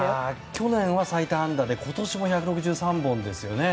去年は最多安打で今年も１６３本ですよね。